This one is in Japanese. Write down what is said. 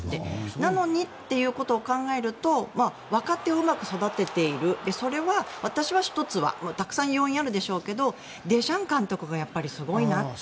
なのにということを考えると若手をうまく育てているそれは私は１つはたくさん要因あるでしょうけどデシャン監督がやっぱりすごいなって。